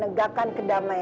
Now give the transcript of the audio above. mereka gak suka kuping babay